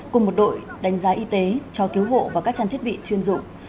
cùng một đội đánh giá y tế cho cứu hộ và các trang thiết bị chuyên dụng